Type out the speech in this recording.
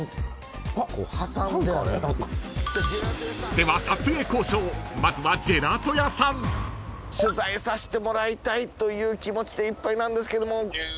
［では撮影交渉まずはジェラート屋さん］という気持ちでいっぱいなんですけども。